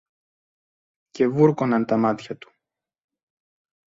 και βούρκωναν τα μάτια του.